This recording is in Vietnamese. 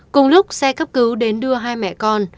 cùng lúc xe cấp cứu đến đưa hai mẹ con